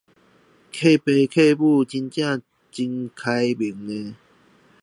岳父母非常和善